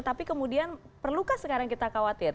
tapi kemudian perlukah sekarang kita khawatir